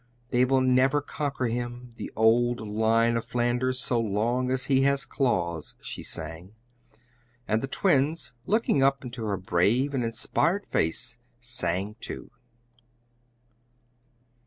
"They will never conquer him, the old Lion of Flanders, so long as he has claws!" she sang, and the Twins, looking up into her brave and inspired face, sang too.